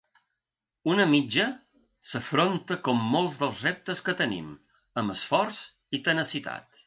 Una mitja s’afronta com molts dels reptes que tenim: amb esforç i tenacitat.